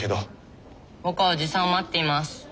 僕はおじさんを待っています。